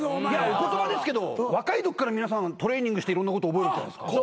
お言葉ですけど若いときから皆さんトレーニングしていろんなこと覚えるじゃないですか。